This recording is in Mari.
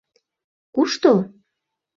Кушто?!